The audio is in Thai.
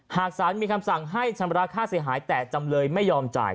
หากสารมีคำสั่งให้ชำระค่าเสียหายแต่จำเลยไม่ยอมจ่าย